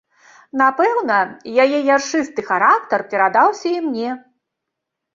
Напэўна, яе яршысты характар перадаўся і мне.